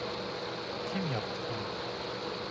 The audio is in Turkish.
Kim yaptı bunu?